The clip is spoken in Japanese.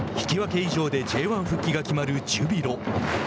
以上でＪ１の復帰が決まるジュビロ。